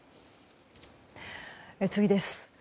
次です。